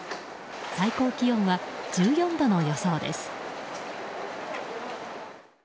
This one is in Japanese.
最高気温は１４度の予想です。